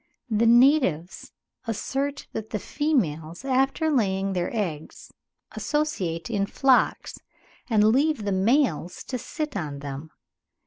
The natives assert that the females after laying their eggs associate in flocks, and leave the males to sit on them.